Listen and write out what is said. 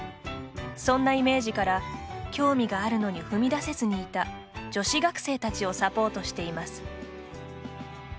そんなイメージから興味があるのに踏み出せずにいた女子学生たちをサポートしています。